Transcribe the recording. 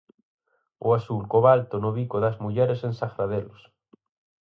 O azul cobalto no bico das mulleres de Sargadelos.